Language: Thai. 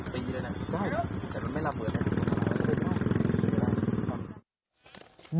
เป็นตีเลยนะได้แต่มันไม่ระเบิดเลย